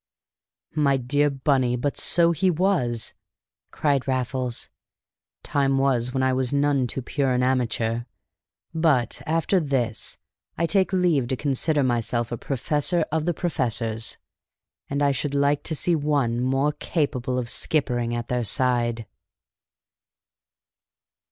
"My dear Bunny, but so he was!" cried Raffles. "Time was when I was none too pure an amateur. But after this I take leave to consider myself a professor of the professors. And I should like to see one more capable of skippering their side!"